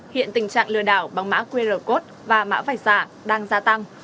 hiện tình trạng lừa đảo bằng mã qr code và mã vạch giả đang gia tăng